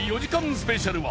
スペシャルは